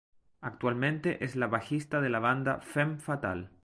Actualmente es la bajista de la banda Femme Fatale.